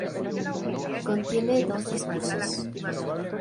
Contiene "Dos discursos".